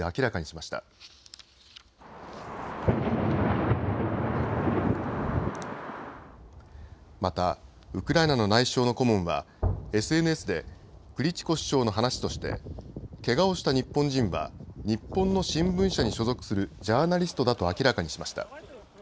またウクライナの内相の顧問はＳＮＳでクリチコ市長の話としてけがをした日本人は日本の新聞社に所属するジャーナリストだと明らかにしました。